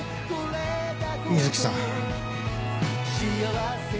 美月さん。